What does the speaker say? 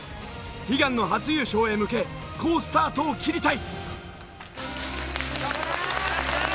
悲願の初優勝へ向け好スタートを切りたい。